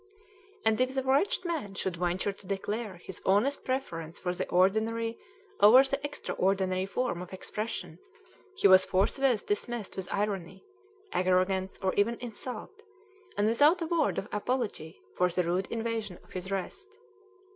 And if the wretched man should venture to declare his honest preference for the ordinary over the extraordinary form of expression, he was forthwith dismissed with irony, arrogance, or even insult, and without a word of apology for the rude invasion of his rest.